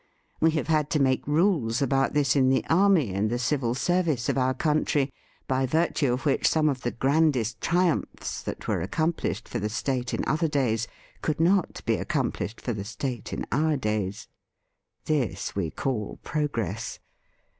We have had to make niles about this in the army and the Civil Service of our country, by virtue of which some of the grandest triumphs that were accomplished for the State in other days could not be accomplished for the State in our days. This we call progress.